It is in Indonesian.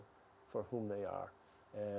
untuk siapa mereka